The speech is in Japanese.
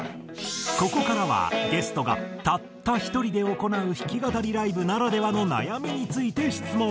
ここからはゲストがたった１人で行う弾き語りライブならではの悩みについて質問。